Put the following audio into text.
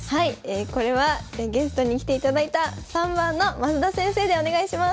これはゲストに来ていただいた３番の増田先生でお願いします。